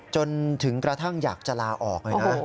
จนถึงกระทั่งอยากจะลาออก